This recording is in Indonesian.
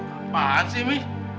apaan sih mih